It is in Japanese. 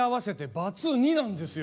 バツ２なんですよ。